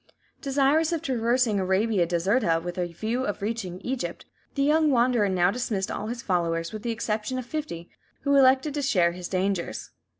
Desirous of traversing Arabia Deserta, with a view of reaching Egypt, the young wanderer now dismissed all his followers with the exception of fifty, who elected to share his dangers.